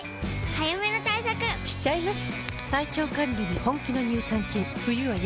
早めの対策しちゃいます。